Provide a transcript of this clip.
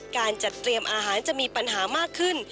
การจัดเตรียมอาหารจะมีปัญหามากขึ้น